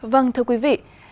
vâng thưa quý vị